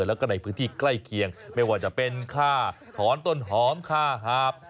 แล้วก็ในพื้นที่ใกล้เคียงไม่ว่าจะเป็นค่าถอนต้นหอมค่าหาบ